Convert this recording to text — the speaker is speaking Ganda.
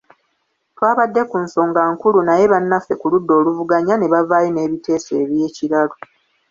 Twabadde ku nsonga nkulu naye bannaffe ku ludda oluvuganya ne bavaayo n’ebiteeso eby’ekiralu .